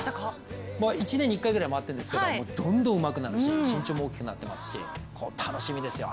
１年に１回ぐらい回ってるんですけどどんどんうまくなるし身長も大きくなってますし楽しみですよ。